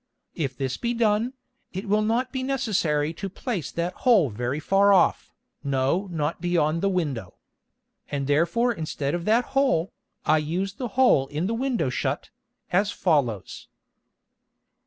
If this be done, it will not be necessary to place that Hole very far off, no not beyond the Window. And therefore instead of that Hole, I used the Hole in the Window shut, as follows.